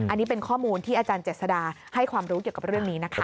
อันนี้เป็นข้อมูลที่อาจารย์เจษดาให้ความรู้เกี่ยวกับเรื่องนี้นะคะ